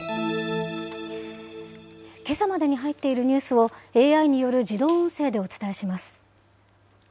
けさまでに入っているニュースを、ＡＩによる自動音声でお伝えします。